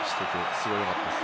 すごい良かったです。